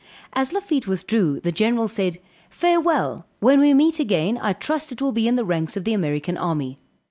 At Lafitte withdrew, the General said farewell; when we meet again, I trust it will be in the ranks of the American army.